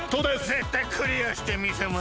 ぜったいクリアしてみせます！